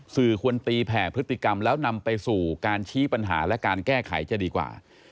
สื่อควรตีแผ่พฤติกรรมแล้วนำไปสู่การชี้ปัญหาและการแก้ไขจะดีกว่า